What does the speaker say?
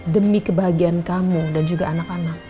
demi kebahagiaan kamu dan juga anak anak